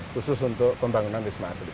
khusus untuk pembangunan wisma atlet